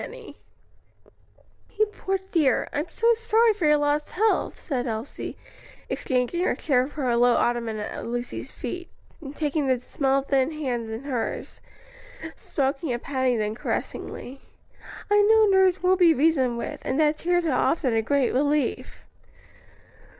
"You poor dear, I'm so sorry for your lost health," said Elsie, exchanging her chair for a low ottoman at Lucy's feet, and taking the small thin hands in hers, stroking and patting them caressingly; "I know nerves won't be reasoned with, and that tears are often a great relief."